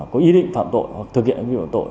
có ý định phạm tội hoặc thực hiện hành vi phạm tội